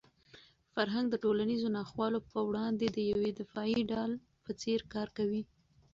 فرهنګ د ټولنیزو ناخوالو په وړاندې د یوې دفاعي ډال په څېر کار کوي.